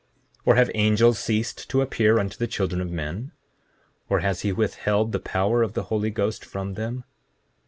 7:36 Or have angels ceased to appear unto the children of men? Or has he withheld the power of the Holy Ghost from them?